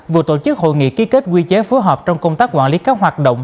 vừa tổ chức hội nghị ký kết quy chế phối hợp trong công tác quản lý các hoạt động